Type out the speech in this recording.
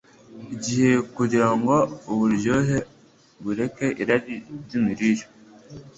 igihe kugira ngo uburyohe bureke irari ry’imirire